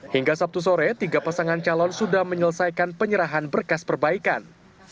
hingga sabtu sore tiga pasangan calon sudah menyelesaikan penyerahan berkas perbaikan